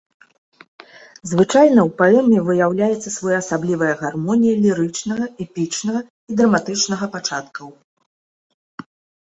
Звычайна ў паэме выяўляецца своеасаблівая гармонія лірычнага, эпічнага і драматычнага пачаткаў.